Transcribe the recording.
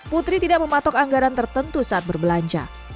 putri tidak mematok anggaran tertentu saat berbelanja